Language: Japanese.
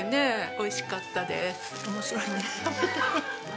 美味しかったです。